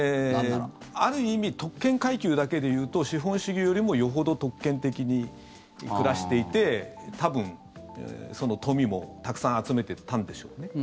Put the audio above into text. ある意味特権階級だけでいうと資本主義よりもよほど特権的に暮らしていて多分、富もたくさん集めていたんでしょうね。